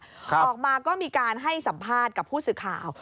ออกมาก็มีการให้สัมภาษณ์กับผู้สื่อข่าว